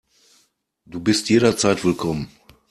Du bist jederzeit willkommen.